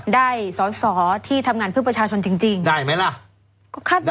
ได้สอดสอดที่ทำงานเพื่อประชาชนจริงจริงได้ไหมล่ะก็คาดหวัง